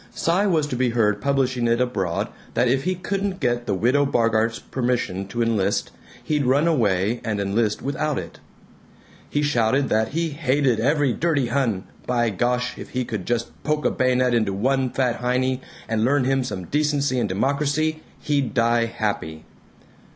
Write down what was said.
Cy was to be heard publishing it abroad that if he couldn't get the Widow Bogart's permission to enlist, he'd run away and enlist without it. He shouted that he "hated every dirty Hun; by gosh, if he could just poke a bayonet into one big fat Heinie and learn him some decency and democracy, he'd die happy."